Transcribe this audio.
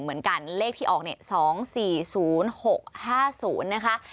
เหมือนกันเลขที่ออกเนี่ย๒๔๐๖๕๐นะคะ